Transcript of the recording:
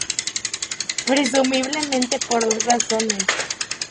Presumiblemente por dos razones.